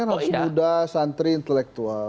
harus muda santri intelektual